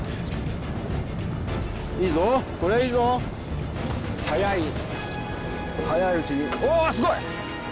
いいぞこりゃいいぞ早い早いうちにおーすごい！